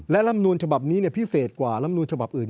และรัฐมนุษย์ฉบับนี้พิเศษกว่ารัฐมนุษย์ฉบับอื่น